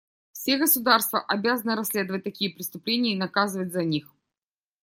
Все государства обязаны расследовать такие преступления и наказывать за них.